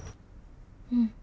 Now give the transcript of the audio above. うん。